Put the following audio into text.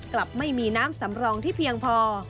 กลับไม่มีน้ำสำรองที่เพียงพอ